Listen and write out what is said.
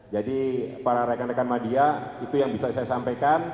jadi para rekan rekan madya itu yang bisa saya sampaikan